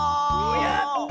やった！